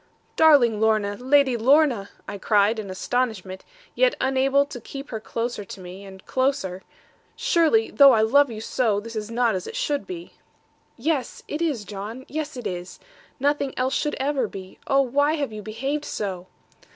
'Darling Lorna, Lady Lorna,' I cried, in astonishment, yet unable but to keep her closer to me, and closer; 'surely, though I love you so, this is not as it should be.' 'Yes, it is, John. Yes, it is. Nothing else should ever be. Oh, why have you behaved so?'